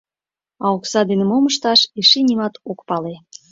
А окса дене мом ышташ — эше нимат ок пале.